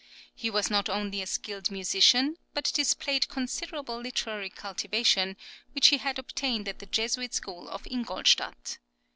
He was not only a skilled musician, but displayed considerable literary cultivation, which he had obtained at the Jesuit school of Ingolstadt.